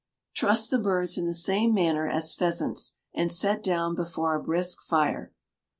Truss the birds in the same manner as pheasants, and set down before a brisk fire.